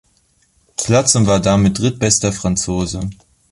Platz und war damit drittbester Franzose.